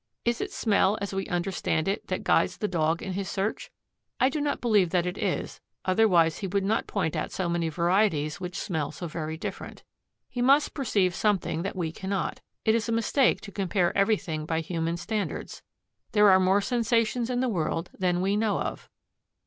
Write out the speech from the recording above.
Is it smell as we understand it that guides the Dog in his search? I do not believe that it is, otherwise he would not point out so many varieties which smell so very different. He must perceive something that we cannot. It is a mistake to compare everything by human standards. There are more sensations in the world than we know of.